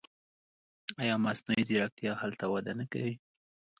آیا مصنوعي ځیرکتیا هلته وده نه کوي؟